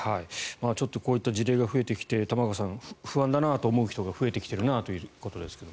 ちょっとこういった事例が増えてきて玉川さん不安だなと思う人が増えてきているということですが。